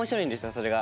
それが。